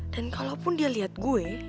dan kalaupun dia liat gue